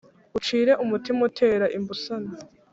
ucire umutima utera imbusane